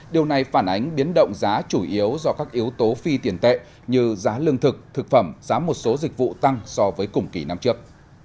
điều này phản ánh biến động giá chủ yếu do các yếu tố phi tiền tệ như giá lương thực thực phẩm giá một số dịch vụ tăng so với cùng kỳ năm trước